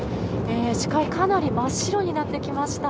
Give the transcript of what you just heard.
視界かなり真っ白になってきました。